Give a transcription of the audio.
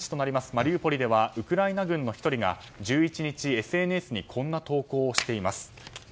マリウポリではウクライナ軍の１人が１１日、ＳＮＳにこんな投稿をしています。